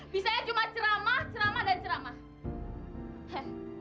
bisanya cuma ceramah ceramah dan ceramah